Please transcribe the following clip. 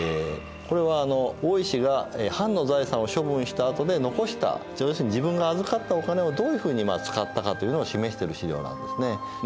これは大石が藩の財産を処分したあとで残した要するに自分が預かったお金をどういうふうに使ったかというのを示している資料なんですね。